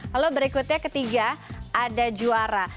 lalu berikutnya ketiga ada juara